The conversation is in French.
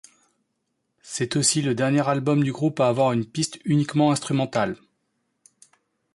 C'est aussi le dernier album du groupe à avoir une piste uniquement instrumentale.